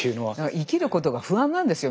生きることが不安なんですよ